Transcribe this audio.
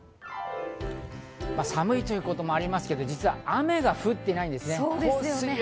寒いということもありますけど、実は雨が降ってないんですね。